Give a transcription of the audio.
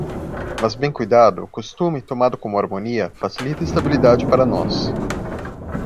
Mas, bem cuidado, o costume, tomado como harmonia, facilita a estabilidade para nós.